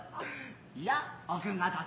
いや奥方様